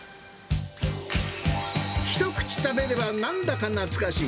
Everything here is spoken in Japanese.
一口食べればなんだか懐かしい。